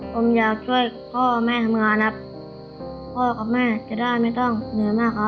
ผมอยากช่วยพ่อแม่ทำงานครับพ่อกับแม่จะได้ไม่ต้องเหนื่อยมากครับ